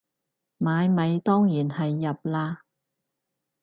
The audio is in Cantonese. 買米當然係入喇